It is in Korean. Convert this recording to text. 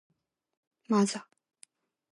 맞아.